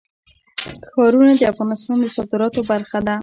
ښارونه د افغانستان د صادراتو برخه ده.